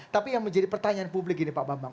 tapi yang menjadi pertanyaan publik ini pak bambang